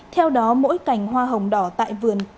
theo đó mỗi cành hoa hồng đỏ tại vườn